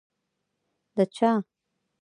ـ د چا؟!